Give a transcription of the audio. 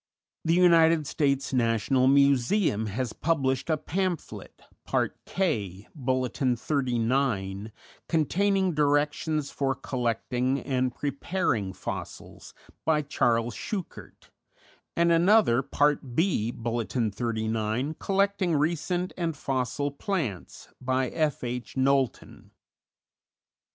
The United States National Museum has published a pamphlet, part K, Bulletin 39, containing directions for collecting and preparing fossils, by Charles Schuchert; and another, part B, Bulletin 39, collecting recent and fossil plants, by F. H. Knowlton.